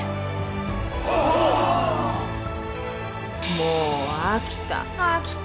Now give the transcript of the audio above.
もう飽きた。